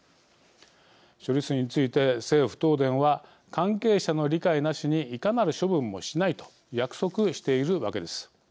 処理水について政府・東電は関係者の理解なしにいかなる処分もしないと約束しているわけです。